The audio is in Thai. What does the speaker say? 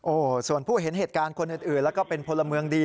โอ้โหส่วนผู้เห็นเหตุการณ์คนอื่นแล้วก็เป็นพลเมืองดี